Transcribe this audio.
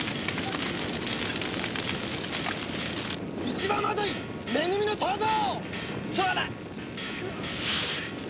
一番まといめ組の虎三！